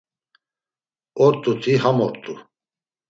Ort̆uti ham ort̆u.